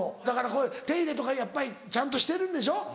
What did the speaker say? だから手入れとかやっぱりちゃんとしてるんでしょ？